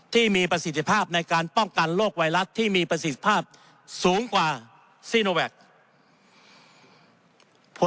ที่มีประสิทธิภาพในการป้องกันโรคไวรัสที่มีประสิทธิภาพสูงกว่าซีโนแวค